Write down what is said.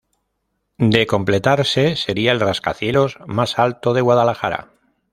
De completarse, sería el rascacielos más alto de Guadalajara.